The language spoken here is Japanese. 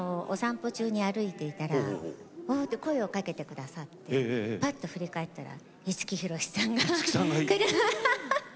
お散歩中に歩いていたら声をかけてくださってぱっと振り返ったら五木ひろしさんが車で。